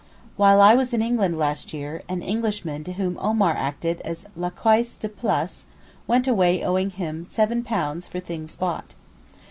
While I was in England last year an Englishman to whom Omar acted as laquais de place went away owing him £7 for things bought.